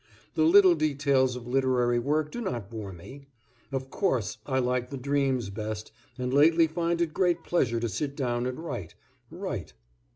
The little details of literary work do not bore me. Of course, I like the dreams best and lately find it great pleasure to sit down and write, write.